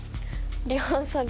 リハーサル。